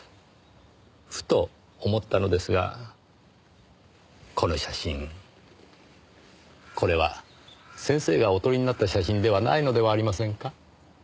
ふと思ったのですがこの写真これは先生がお撮りになった写真ではないのではありませんか？